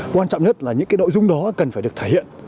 quan trọng nhất là những cái nội dung đó cần phải được thể hiện